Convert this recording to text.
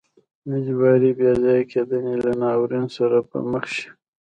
اجباري بې ځای کېدنې له ناورین سره به مخ شي.